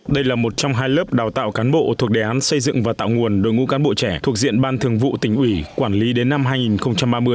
đây là một trong hai lớp đào tạo cán bộ thuộc đề án xây dựng và tạo nguồn đồ ngũ cán bộ trẻ thuộc diện ban thường vụ tỉnh ủy quản lý đến năm hai nghìn ba mươi